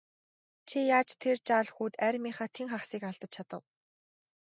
Чи яаж тэр жаал хүүд армийнхаа тэн хагасыг алдаж чадав?